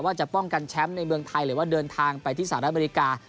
ว่าจะป้องกันแชมป์ในเมืองไทยหรือว่าเดินทางไปที่สหรัฐอเมริกา